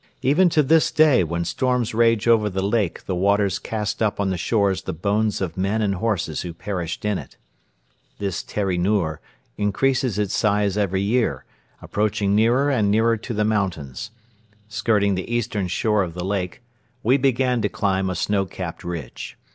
Even to this day when storms rage over the lake the waters cast up on the shores the bones of men and horses who perished in it. This Teri Noor increases its size every year, approaching nearer and nearer to the mountains. Skirting the eastern shore of the lake, we began to climb a snow capped ridge.